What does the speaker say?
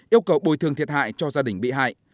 yêu cầu bồi thường thiệt hại cho gia đình bị hại